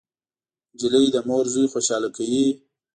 نجلۍ د مور زوی خوشحاله کوي.